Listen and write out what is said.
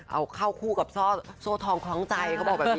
เอาเข้าคู่กับโซทองของใจเขาบอกแบบนี้นะคะ